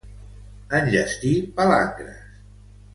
Enllestir palangres.